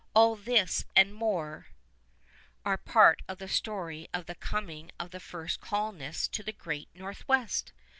All this and more are part of the story of the coming of the first colonists to the Great Northwest.